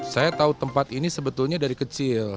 saya tahu tempat ini sebetulnya dari kecil